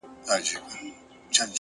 باور د بریا لومړنی قدم دی.!